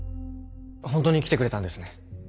本当に来てくれたんですね。